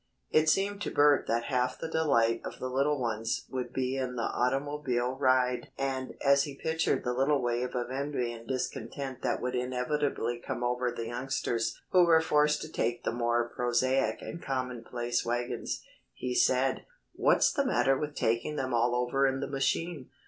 It seemed to Bert that half the delight of the little ones would be in the automobile ride and as he pictured the little wave of envy and discontent that would inevitably come over the youngsters who were forced to take the more prosaic and common place wagons, he said: "What's the matter with taking them all over in the machine?